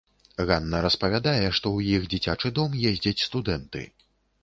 Ганна распавядае, што ў іх дзіцячы дом ездзяць студэнты.